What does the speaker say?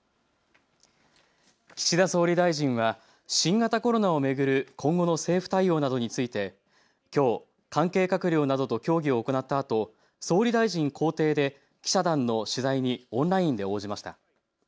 岸田総理大臣は新型コロナを巡る今後の政府対応などについてきょう関係閣僚などと協議を行ったあと、総理大臣公邸で記者団の取材にオンラインで応じました。